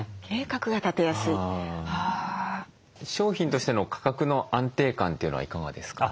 商品としての価格の安定感というのはいかがですか？